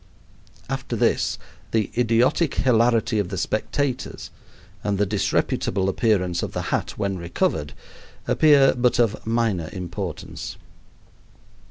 After this, the idiotic hilarity of the spectators and the disreputable appearance of the hat when recovered appear but of minor importance.